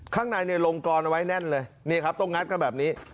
ข้างในโรงกรณ์เอาไว้แน่นเลยต้องงัดกันแบบนี้